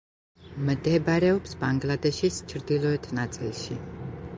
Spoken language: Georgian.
მდებარეობს ბანგლადეშის ჩრდილოეთ ნაწილში.